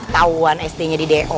tauan sdnya di do